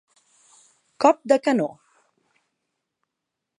Cop de canó.